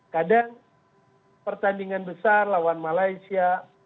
kadang pertandingan besar lawan malaysia